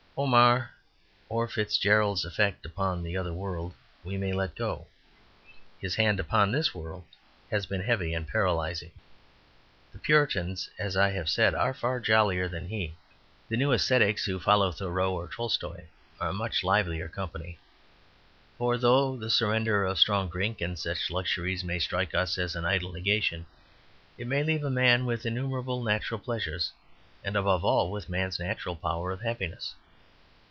Omar's (or Fitzgerald's) effect upon the other world we may let go, his hand upon this world has been heavy and paralyzing. The Puritans, as I have said, are far jollier than he. The new ascetics who follow Thoreau or Tolstoy are much livelier company; for, though the surrender of strong drink and such luxuries may strike us as an idle negation, it may leave a man with innumerable natural pleasures, and, above all, with man's natural power of happiness.